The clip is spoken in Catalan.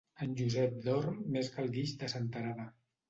En Josep dorm més que el guix de Senterada.